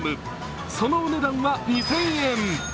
そのお値段は２０００円。